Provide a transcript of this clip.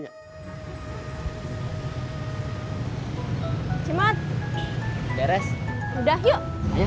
hai beres udah yuk